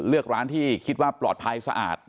เลือกร้านที่คิดว่าปลอดภัยสะอาด